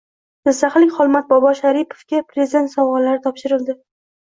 Jizzaxlik Xolmat bobo Sharipovga Prezident sovg‘alari topshirildi